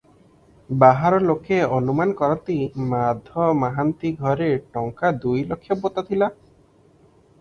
ବାହାର ଲୋକେ ଅନୁମାନ କରନ୍ତି, ମାଧ ମହାନ୍ତି ଘରେ ଟଙ୍କା ଦୁଇ ଲକ୍ଷ ପୋତା ଥିଲା ।